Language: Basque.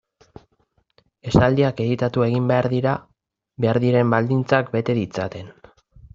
Esaldiak editatu egin behar dira behar diren baldintzak bete ditzaten.